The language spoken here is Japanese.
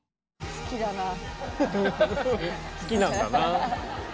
好きなんだなあ。